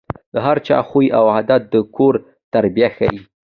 د هر چا خوی او عادت د کور تربیه ښيي.